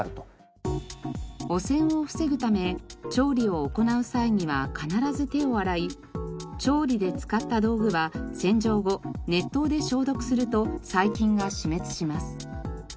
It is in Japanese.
汚染を防ぐため調理を行う際には必ず手を洗い調理で使った道具は洗浄後熱湯で消毒すると細菌が死滅します。